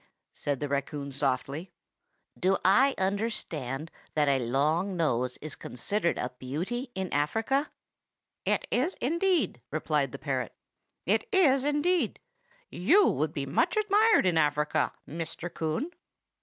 said the raccoon softly, "do I understand that a long nose is considered a beauty in Africa?" "It is, indeed," replied the parrot. "It is, indeed. You would be much admired in Africa, Mr. Coon."